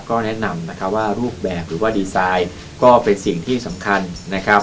ก็แนะนำนะคะว่ารูปแบบหรือว่าดีไซน์ก็เป็นสิ่งที่สำคัญนะครับ